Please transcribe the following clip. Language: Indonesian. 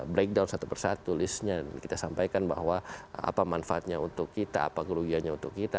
breakdown satu persatu listnya dan kita sampaikan bahwa apa manfaatnya untuk kita apa kerugiannya untuk kita